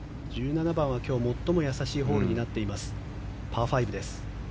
１７番は今日最もやさしいホールになっているパー５です。